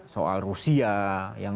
soal rusia yang